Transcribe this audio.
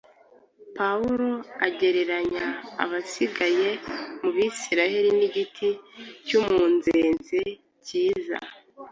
Pawulo agereranya abasigaye mu Bisirayeli n’igiti cy’umunzenze cyiza